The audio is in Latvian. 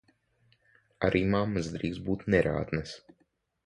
Arī mammas drīkst būt nerātnas!